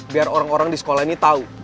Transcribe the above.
biar orang orang di sekolah ini tahu